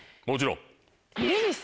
もちろん。